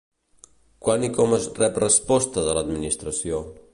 Quan i com es rep resposta de l'Administració?